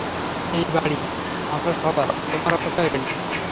এই বাড়ী, আমরা সবার, তোমার অপেক্ষায় রইলাম।